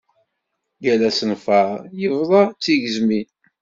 Yal asenfar, yebḍa d tigezmin.